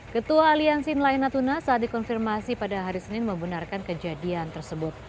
ketua aliansi nelayan natuna saat dikonfirmasi pada hari senin membenarkan kejadian tersebut